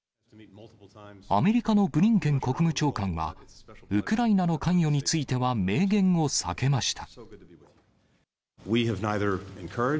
アメリカのブリンケン国務長官は、ウクライナの関与については明言を避けました。